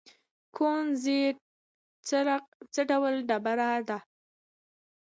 کونزیټ څه ډول ډبره ده؟